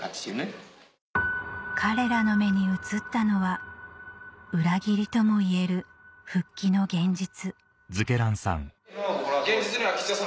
彼らの目に映ったのは裏切りともいえる復帰の現実